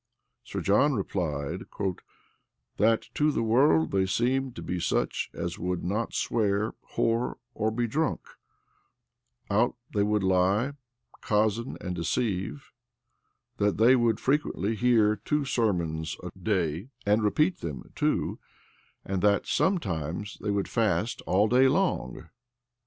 Sir John replied, "that to the world they seemed to be such as would not swear, whore, or be drunk; out they would lie, cozen, and deceive; that they would frequently hear two sermons a day, and repeat them too, and that some, times they would fast all day long."